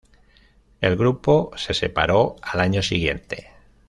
El grupo se separó al año siguiente.